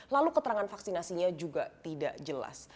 lalu keterangan vaksinasinya juga tidak jelas